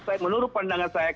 saya menurut saya